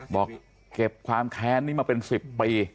บอกเก็บความแค้นนี้มาเป็น๑๐ปี